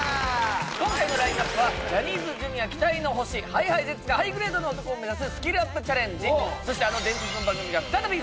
今回のラインナップはジャニーズＪｒ．期待の星ＨｉＨｉＪｅｔｓがハイグレードな男を目指すスキルアップチャレンジそしてあの伝説の番組が再び復活